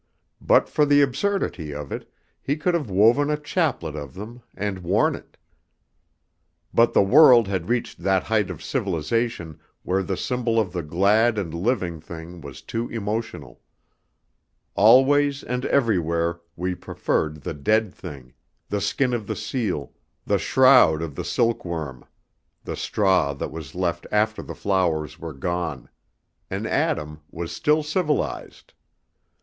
But for the absurdity of it, he could have woven a chaplet of them and worn it. But the world had reached that height of civilization where the symbol of the glad and living thing was too emotional; always and everywhere we preferred the dead thing, the skin of the seal, the shroud of the silkworm, the straw that was left after the flowers were gone; and Adam was still civilized.